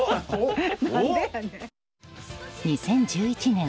２０１１年